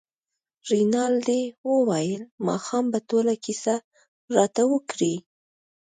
رینالډي وویل ماښام به ټوله کیسه راته وکړې.